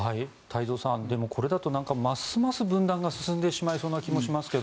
太蔵さん、でもこれだとますます分断が進んでしまいそうな気もしますが。